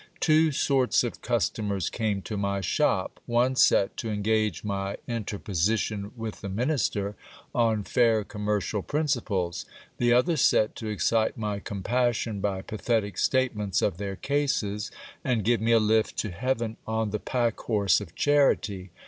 Two sorts of cus tomers came to my shop ; one set, to engage my interposition with the minister, on fair commercial principles ; the other set, to excite my compassion by pa thetic statements of their cases, and give me a lift to heaven on the packhorse of charity.